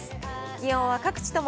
気温は各地とも